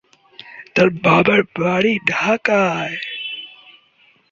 তার বাবার বাড়ি ঢাকায়।